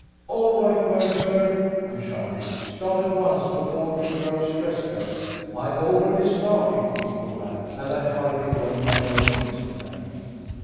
"All right, Mercer," I shouted. "Start at once, before she grows restless!" "I've already started!" he called back, and I hurriedly donned my own instrument.